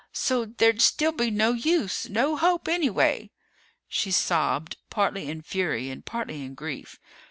"So there'd still be no use. No hope, anyway." She sobbed, partly in fury and partly in grief.